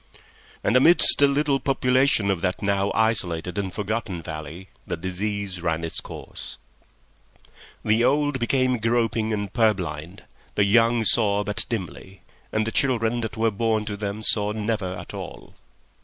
And amidst the little population of that now isolated and forgotten valley the disease ran its course. The old became groping, the young saw but dimly, and the children that were born to them never saw at all.